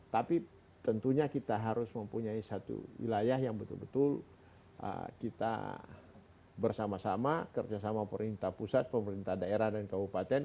tapi tentunya kita harus mempunyai satu wilayah yang betul betul kita bersama sama kerjasama pemerintah pusat pemerintah daerah dan kabupaten